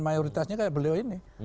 mayoritasnya kayak beliau ini